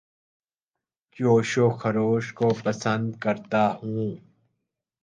جوش و خروش کو پسند کرتا ہوں